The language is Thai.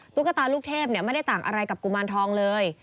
ตุ๊กตาลูกเทพไม่ได้ต่างอะไรกับกุมารทองเลย